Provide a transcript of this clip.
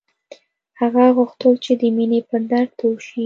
هغه غوښتل چې د مینې پر درد پوه شي